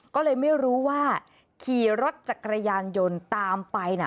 ก็เลยไม่รู้ว่าขี่รถจักรยานยนต์ตามไปนะ